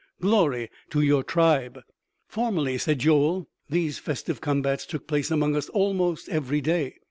Glory to your tribe!" "Formerly," said Joel, "these festive combats took place among us almost every day.